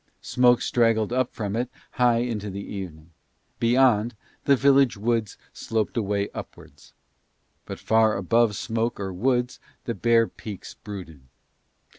Smoke straggled up from it high into the evening: beyond the village woods sloped away upwards. But far above smoke or woods the bare peaks brooded.